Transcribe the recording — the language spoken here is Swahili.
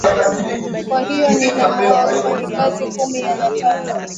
kwa hiyo nina wafanyakazi kumi na tatu